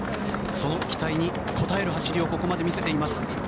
その期待に応える走りをここまで見せています。